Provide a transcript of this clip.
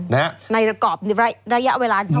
ในระกอบระยะเวลาเท่านี้